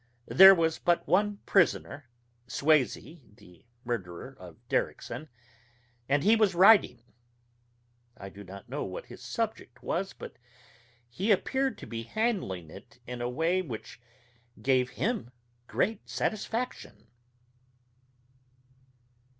There was but one prisoner Swazey, the murderer of Derrickson and he was writing; I do not know what his subject was, but he appeared to be handling it in a way which gave him great satisfaction....